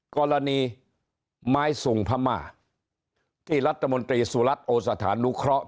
กรณีไม้ส่งพม่าที่รัฐมนตรีสุรัตนโอสถานุเคราะห